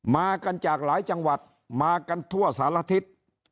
มากันจากหลายจังหวัดมากันทั่วสารทิศ